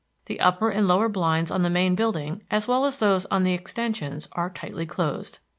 The upper and lower blinds on the main building, as well as those on the extensions, are tightly closed.